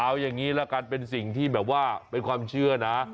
เอาอย่างนี้ละกันเป็นสิ่งที่แบบว่าเป็นความเชื่อนะ